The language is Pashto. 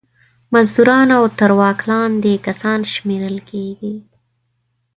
مزدوران او تر واک لاندې کسان شمېرل کیږي.